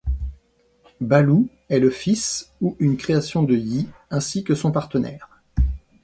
Bahloo est le fils ou une création de Yhi, ainsi que son partenaire.